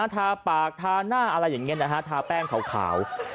ทาปากทาหน้าอะไรเงี้ยภาพแป้งขาว